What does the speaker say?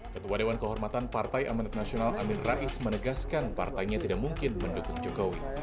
ketua dewan kehormatan partai amanat nasional amin rais menegaskan partainya tidak mungkin mendukung jokowi